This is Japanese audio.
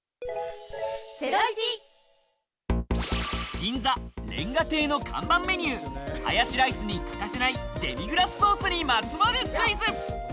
銀座、煉瓦亭の看板メニュー、ハヤシライスに欠かせないデミグラスソースにまつわるクイズ。